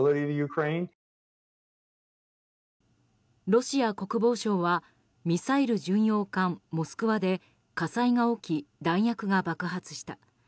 ロシア国防省はミサイル巡洋艦「モスクワ」で火災が起き、弾薬が爆発した。